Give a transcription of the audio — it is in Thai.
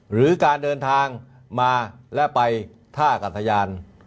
หรือการเดินทางมาและไปท่ากัดสะยาน